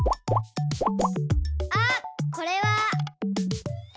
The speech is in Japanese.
あっこれは。